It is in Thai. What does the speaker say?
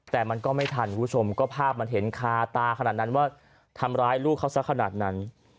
แต่มันก็ไม่ทันคุณผู้ชมก็ภาพมันเห็นคาตาขนาดนั้นว่าทำร้ายลูกเขาสักขนาดนั้น